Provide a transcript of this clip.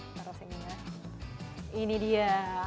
ini dia seharusnya ya